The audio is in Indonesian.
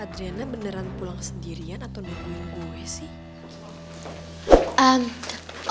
adriana beneran pulang sendirian atau nungguin gue sih